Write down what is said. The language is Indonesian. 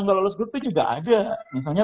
nggak lolos grup itu juga ada misalnya